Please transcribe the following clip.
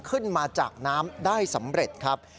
ขึ้นมาจากน้ำได้สำเร็จครับ